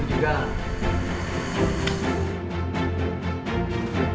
ini dari kesana juga